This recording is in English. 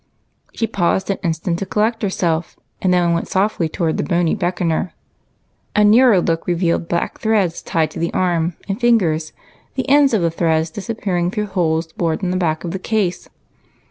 She paused an instant to collect herself, and then went softly toward the bony beckoner. A nearer look revealed black threads tied to the arm and fingers, the ends of threads disappearing through holes bored in the back of the case.